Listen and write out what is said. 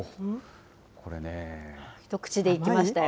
一口でいきましたよ。